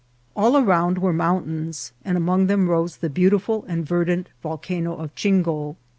All around were mountains, and among them rose the beautiful and ver dant Volcano of Chingo.